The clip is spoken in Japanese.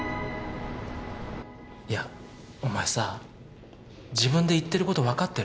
いやお前さ自分で言ってること分かってる？